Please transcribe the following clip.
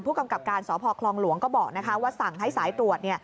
กำกับการสพคลองหลวงก็บอกว่าสั่งให้สายตรวจ